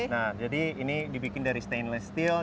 nah jadi ini dibikin dari stainless steel